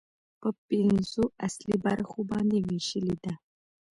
په پنځو اصلي برخو باندې ويشلې ده